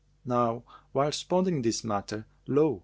Now whilst pondering this matter, lo!